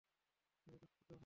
আমাকে একটা সুযোগ দাও সুনয়নী।